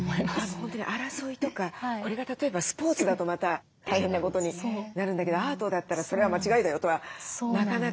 本当に争いとかこれが例えばスポーツだとまた大変なことになるんだけどアートだったら「それは間違いだよ」とはなかなか。